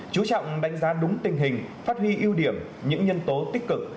chú trọng đánh giá đúng tình hình phát huy ưu điểm những nhân tố tích cực